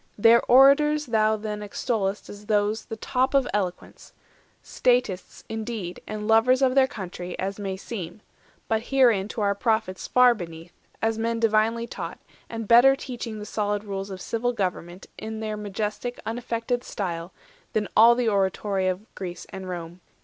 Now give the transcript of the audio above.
Their orators thou then extoll'st as those The top of eloquence—statists indeed, And lovers of their country, as may seem; But herein to our Prophets far beneath, As men divinely taught, and better teaching The solid rules of civil government, In their majestic, unaffected style, Than all the oratory of Greece and Rome.